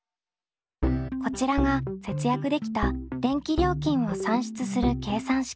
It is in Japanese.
こちらが節約できた電気料金を算出する計算式。